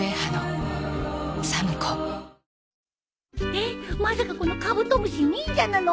えっまさかこのカブトムシ忍者なの？